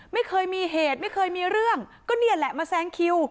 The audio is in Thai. ไม่เคยมีเหตุไม่เคยมีเรื่องก็นี่แหละมาแซงคิว